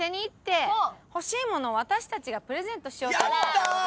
やったー！